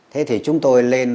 thế thì chúng tôi lên